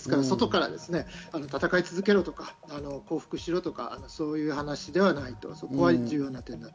外から戦い続けろとか、降伏しろとか、そういう話ではないと。